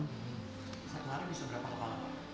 sekarang bisa berapa